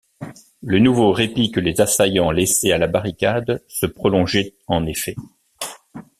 Le nouveau répit que les assaillants laissaient à la barricade se prolongeait en effet.